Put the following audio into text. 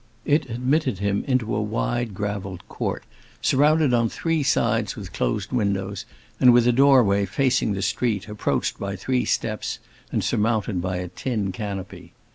It admitted him into a wide, gravelled court, surrounded on three sides with closed windows, and with a doorway facing the street, approached by three steps and surmounted by a tin canopy.